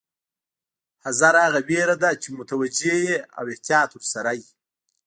حذر هغه وېره ده چې متوجه یې او احتیاط ورسره وي.